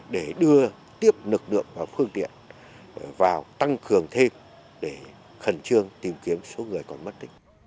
để đưa tiếp lực lượng và phương tiện vào tăng cường thêm để khẩn trương tìm kiếm số người còn mất tích